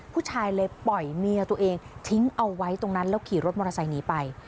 ผู้ชายเลยปล่อยเมียตัวเองทิ้งเอาไว้ตรงนั้นแล้วขี่รถมอเตอร์ไซค์หนีไป